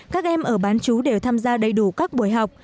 các em ở bán chú đều tham gia đầy đủ các buổi học